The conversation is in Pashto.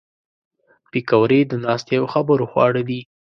پکورې د ناستې او خبرو خواړه دي